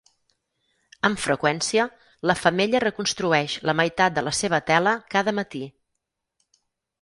Amb freqüència, la femella reconstrueix la meitat de la seva tela cada matí.